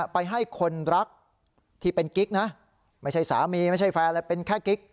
ไปให้คนรักที่เป็นกิ๊กนะไม่ใช่สามีไม่ใช่แฟนอะไรเป็นแค่กิ๊ก